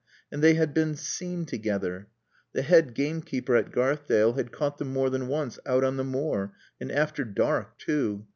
And they had been seen together. The head gamekeeper at Garthdale had caught them more than once out on the moor, and after dark too.